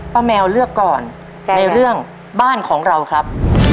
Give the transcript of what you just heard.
แมวเลือกก่อนในเรื่องบ้านของเราครับ